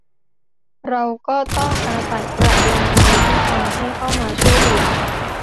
เราก็ต้องอาศัยกระบวนการยุติธรรมให้เข้ามาช่วยเหลือ